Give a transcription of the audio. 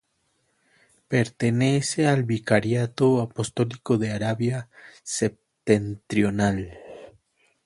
Pertenece al Vicariato Apostólico de Arabia Septentrional.